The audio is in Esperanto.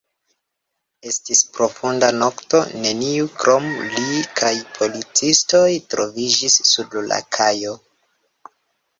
Estis profunda nokto, neniu krom li kaj policistoj troviĝis sur la kajo.